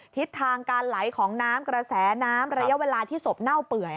ทิศทางการไหลของน้ำกระแสน้ำระยะเวลาที่ศพเน่าเปื่อย